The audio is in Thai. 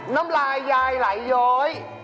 น้ำลายยายไหลย้อย